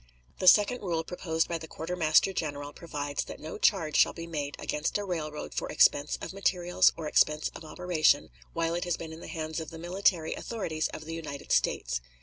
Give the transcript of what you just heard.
The second rule proposed by the quartermaster general provides that no charge shall be made against a railroad for expense of materials or expense of operation while it has been in the hands of the military authorities of the United States.